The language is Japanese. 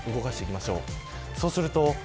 動かしていきましょう。